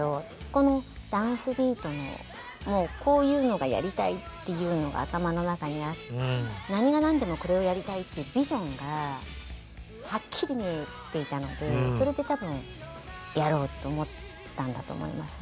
このダンスビートのこういうのがやりたいっていうのが頭の中にあって何が何でもこれをやりたいっていうビジョンがはっきり見えていたのでそれで多分やろうと思ったんだと思いますね。